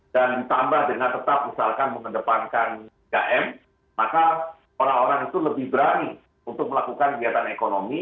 dan ditambah dengan tetap misalkan mengedepankan tiga m maka orang orang itu lebih berani untuk melakukan kegiatan ekonomi